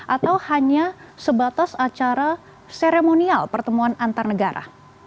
atau hanya sebatas acara seremonial pertemuan antar negara